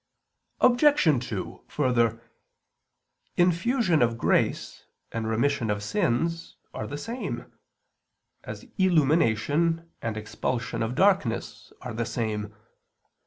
Obj. 2: Further, infusion of grace and remission of sins are the same; as illumination and expulsion of darkness are the same.